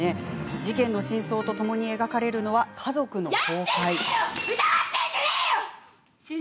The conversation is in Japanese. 事件の真相とともに描かれるのは家族の崩壊。